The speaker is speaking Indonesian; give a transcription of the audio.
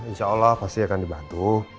insya allah pasti akan dibantu